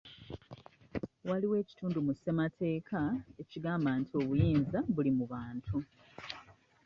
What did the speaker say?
Waliwo ekitundu mu ssemateeka ekigamba nti obuyinza buli mu bantu.